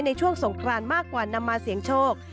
ในช่วงสงครานมากกว่านำมาเสี่ยงโชค